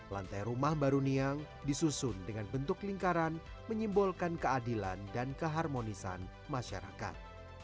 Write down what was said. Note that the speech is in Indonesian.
lantai rumah baru niang disusun dengan bentuk lingkaran menyimbolkan keadilan dan keharmonisan masyarakat